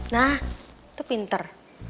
nah itu pinter